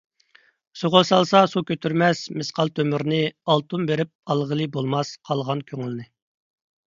سۇغا سالسا سۇ كۆتۈرمەس مىسقال تۆمۈرنى ئالتۇن بېرىپ ئالغىلى بولماس قالغان كۆڭۈلنى .